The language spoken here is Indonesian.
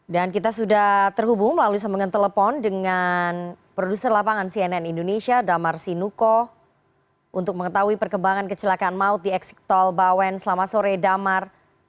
dan kita sudah terhubung melalui semengetelepon dengan produser lapangan cnn indonesia damar sinuko untuk mengetahui perkembangan kecelakaan maut di eksik tol bawen selama sore damar